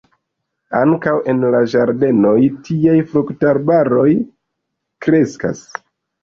Ankaŭ en la ĝardenoj tiaj fruktarboj kreskas.